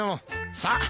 さあ。